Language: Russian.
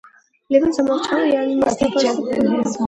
Левин замолчал, и они вместе вошли в большую залу.